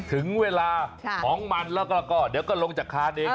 ถึงเวลาห้องมันแล้วก็ลงจากคานเอง